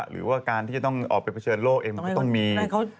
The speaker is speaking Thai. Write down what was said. หรือว่าการที่จะต้องออกไปเผชิญโลกเองมันก็ต้องมี